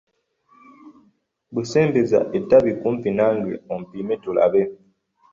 Ggwe sembeza ettabi kumpi nange opime tulabe!